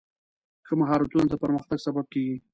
ښه مهارتونه د پرمختګ سبب کېږي.